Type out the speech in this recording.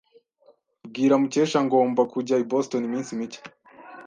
Bwira Mukesha ngomba kujya i Boston iminsi mike.